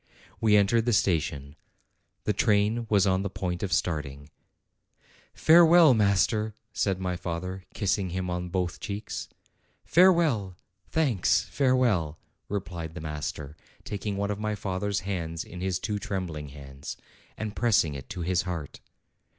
We entered the station. The train was on the point of starting. 230 APRIL "Farewell, master!" said my father, kissing him on both cheeks. "Farewell! thanks! farewell!" replied the master, taking one of my father's hands in his two trembling hands, and pressing it to his heart.